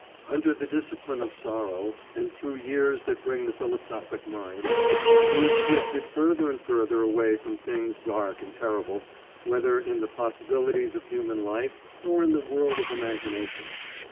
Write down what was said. "Under the discipline of sorrow, and through years that bring the philosophic mind, Booth drifted further and further away from things dark and terrible, whether in the possibilities of human life or in the world of imagination.